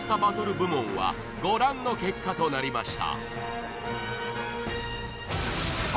部門はご覧の結果となりました